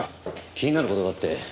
気になる事があって。